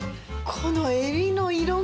この海老の色が。